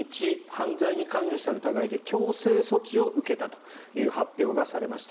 犯罪に関与した疑いで強制措置を受けたという発表がされました。